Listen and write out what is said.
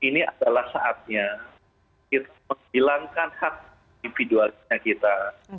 setelah saatnya kita menghilangkan hak individualisasi kita